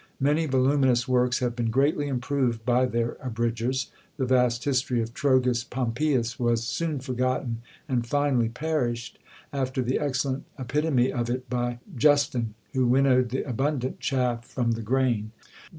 Many voluminous works have been greatly improved by their Abridgers. The vast history of Trogus Pompeius was soon forgotten and finally perished, after the excellent epitome of it by Justin, who winnowed the abundant chaff from the grain.